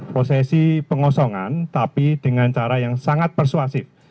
prosesi pengosongan tapi dengan cara yang sangat persuasif